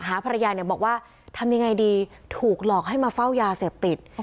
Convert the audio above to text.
ภรรยาเนี่ยบอกว่าทำยังไงดีถูกหลอกให้มาเฝ้ายาเสพติด